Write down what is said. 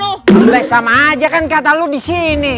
boleh sama aja kan kata lo di sini